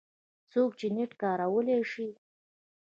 څوک چې نېټ کارولی شي